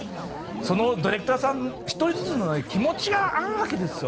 そのディレクターさん１人ずつの気持ちがあるわけですよ。